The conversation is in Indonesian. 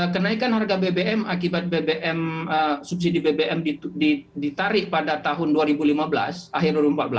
kenaikan harga bbm akibat subsidi bbm ditarik pada tahun dua ribu lima belas akhir dua ribu empat belas